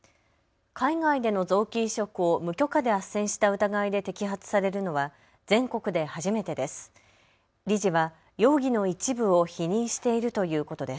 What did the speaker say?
海外での臓器移植を無許可であっせんした疑いで摘発されるのは全国で初めてです。